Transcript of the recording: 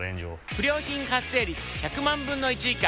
不良品発生率１００万分の１以下。